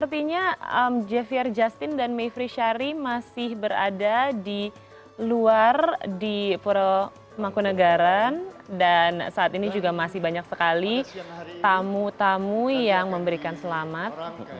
sepertinya javier justin dan mevri syari masih berada di luar di puro mangkunagaran dan saat ini juga masih banyak sekali tamu tamu yang memberikan selamat